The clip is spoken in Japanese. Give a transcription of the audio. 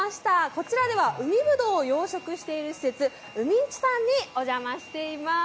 こちらでは、海ぶどうを養殖している施設海ん道さんにお邪魔しています。